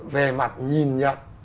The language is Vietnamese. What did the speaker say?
về mặt nhìn nhận